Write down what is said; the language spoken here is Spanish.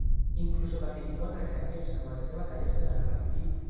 Incluso participó en recreaciones anuales de batallas de la Guerra Civil.